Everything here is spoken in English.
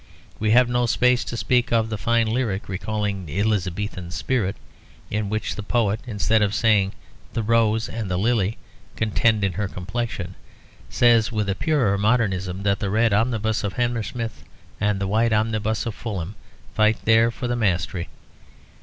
We have no space to speak of the fine lyric, recalling the Elizabethan spirit, in which the poet, instead of saying that the rose and the lily contend in her complexion, says, with a purer modernism, that the red omnibus of Hammersmith and the white omnibus of Fulham fight there for the mastery.